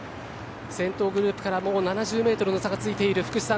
先頭グループからもう７０ｍの差がついている福士さん